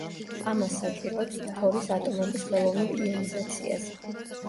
ამას საჭიროებს ფთორის ატომების ხელოვნურ იონიზაციას.